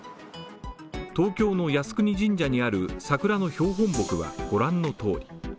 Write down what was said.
東京の靖国神社にある桜の標本木は、御覧のとおり。